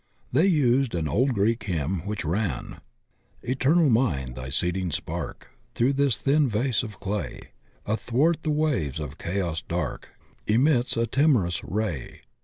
They used an old Greek hymn which ran: Eternal Mind, thy seedling spark. Through this thin vase of clay. Athwart the waves of chaos dark Emits a timorous ray.